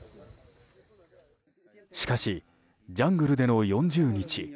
しかし、ジャングルでの４０日。